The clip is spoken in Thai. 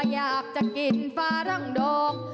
อยากจะกินฟ้ารังโดง